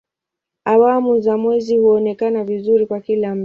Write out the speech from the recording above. Awamu za mwezi huonekana vizuri kwa kila mtu.